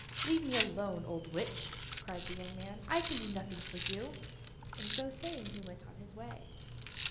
"Let me alone, old witch," cried the young man; "I can do nothing for you," and so saying he went on his way.